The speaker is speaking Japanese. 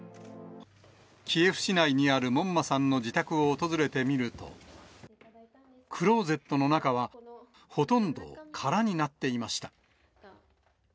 キエフ市内にある門馬さんの自宅を訪れてみると、クローゼットの中はほとんど空になっていました。